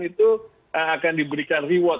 itu akan diberikan reward